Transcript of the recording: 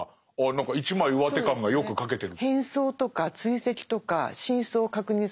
何か一枚うわて感がよく書けてる。